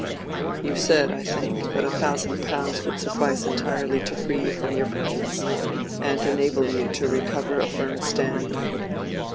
You said, I think, that a thousand pounds would suffice entirely to free you from your burthens, and enable you to recover a firm stand?"